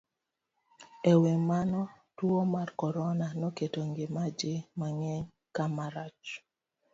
E wi mano, tuwo mar corona noketo ngima ji mang'eny kama rach,